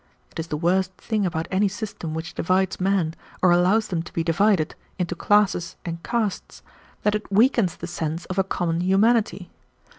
It is the worst thing about any system which divides men, or allows them to be divided, into classes and castes, that it weakens the sense of a common humanity.